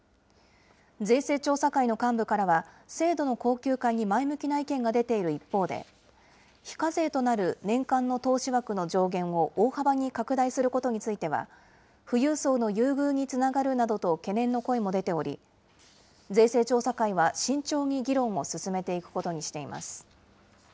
税制調査会の幹部からは、制度の恒久化に前向きな意見が出ている一方で、非課税となる年間の投資枠の上限を大幅に拡大することについては、富裕層の優遇につながるなどと、懸念の声も出ており、税制調査会は慎重な議論を進めていくことにしています。